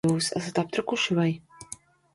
Jūs esat aptrakuši, vai?